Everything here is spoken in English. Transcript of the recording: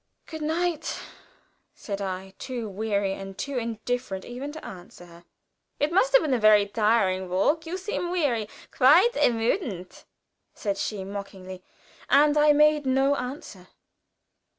"Good night," said I, too weary and too indifferent even to answer her. "It must have been a tiring walk; you seem weary, quite ermüdet," said she, mockingly, and I made no answer.